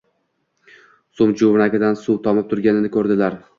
Suv joʻmragidan suv tomib turganini koʻrdilar.